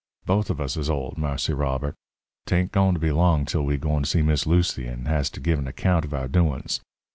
Both of us is old, Marse Robert. 'Tain't goin' to be long till we gwine to see Miss Lucy and has to give an account of our doin's.